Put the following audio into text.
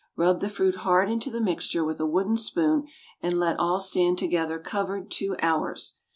Rub the fruit hard into the mixture with a wooden spoon, and let all stand together, covered, two hours.